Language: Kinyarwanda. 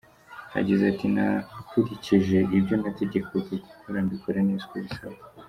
Yagize ati “Nakurikije ibyo nategekwaga gukora mbikora neza uko bisabwa”.